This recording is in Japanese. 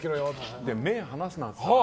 目を離すなって。